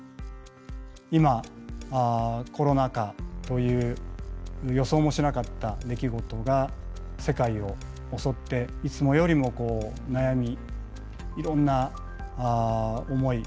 今コロナ禍という予想もしなかった出来事が世界を襲っていつもよりもこう悩みいろんな思い